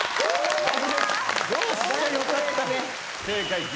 正解！